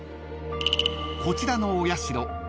［こちらのお社龍